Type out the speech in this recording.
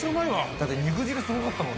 だって肉汁すごかったもん。